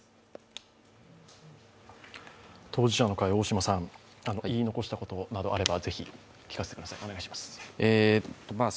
当事者の会、大島さん、言い残したことなどあればぜひ聞かせてください、お願いします。